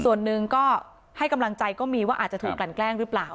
ส่วนหนึ่งก็ให้กำลังใจก็มีว่าอาจจะถูกกลั่นแกล้งหรือเปล่า